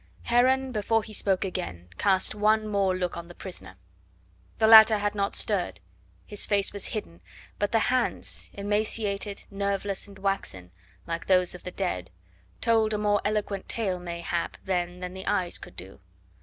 Heron before he spoke again cast one more look on the prisoner. The latter had not stirred; his face was hidden, but the hands, emaciated, nerveless and waxen, like those of the dead, told a more eloquent tale, mayhap, then than the eyes could do.